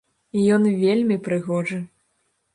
І ён вельмі прыгожы.